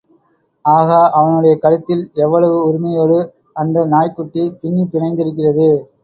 ஆஹா, அவனுடைய கழுத்தில் எவ்வளவு உரிமையோடு அந்த நாய்க்குட்டி பின்னிப் பிணைந்திருக்கிறது?